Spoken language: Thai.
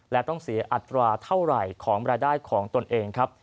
และต้องเสียอัตราเท่าไหร่ของรายได้ของตนเองครับ